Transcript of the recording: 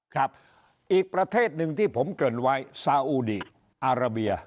ครับอีกประเทศหนึ่งที่ผมเกริ่นไว้ซาอูดีอาราเบีย